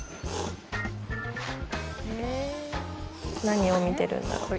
「何を見てるんだろう？」